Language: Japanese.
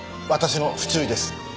私の不注意です。